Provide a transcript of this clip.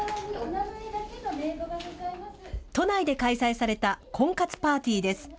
都内で開催された婚活パーティーです。